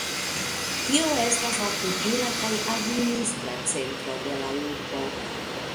Tio estas la kultura kaj administra centro de la urbo.